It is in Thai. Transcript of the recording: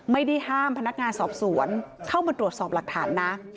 ไม่ได้ห้ามพนักงานสอบสวนเข้ามาตรวจสอบหลักฐานนะ